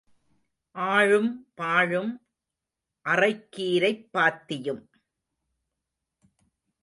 ஆழும் பாழும் அறைக்கீரைப் பாத்தியும்.